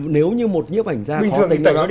nếu như một nhiếp ảnh ra khó tính